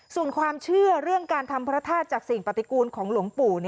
ส่วนความเชื่อเรื่องการทำพระธาตุจากสิ่งปฏิกูลของหลวงปู่